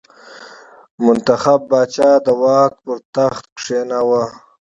منتخب پاچا د واک پر تخت کېناوه.